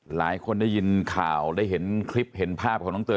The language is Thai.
หลายคนได้ยินข่าวได้เห็นคลิปเห็นภาพของน้องเตย